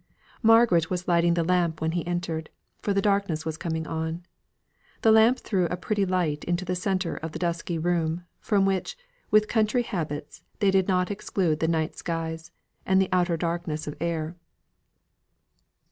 Margaret was lighting the lamp when he entered, for the darkness was coming on. The lamp threw a pretty light into the centre of the dusky room, from which, with country habits, they did not exclude the night skies, and the outer darkness of air.